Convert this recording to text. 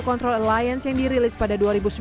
control alliance yang dirilis pada